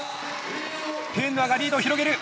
ペンヌーアがリードを広げる。